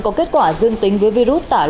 có kết quả dương tính với virus tả lợn châu phi